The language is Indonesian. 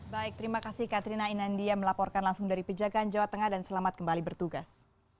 baik terima kasih katrina inandia melaporkan langsung dari pejagaan jawa tengah dan selamat kembali bertugas